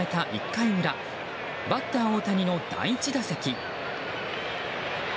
１回裏バッター大谷の第１打席。